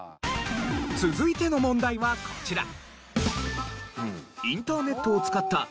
続いての問題はこちら。